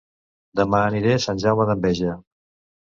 Dema aniré a Sant Jaume d'Enveja